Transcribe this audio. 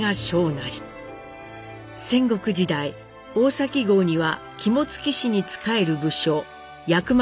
戦国時代大崎郷には肝付氏に仕える武将薬丸